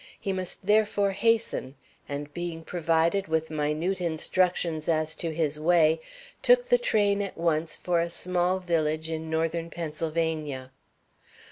He must therefore hasten, and, being provided with minute instructions as to his way, took the train at once for a small village in northern Pennsylvania.